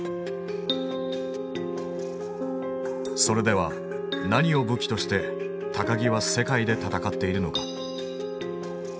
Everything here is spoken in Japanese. それでは何を武器として木は世界で戦っているのか。